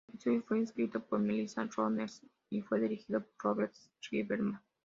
El episodio fue escrito por Melissa Rosenberg y fue dirigido por Robert Lieberman.